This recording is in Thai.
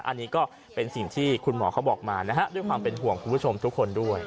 อันนี้ก็เป็นสิ่งที่คุณหมอเขาบอกมานะฮะด้วยความเป็นห่วงคุณผู้ชมทุกคนด้วย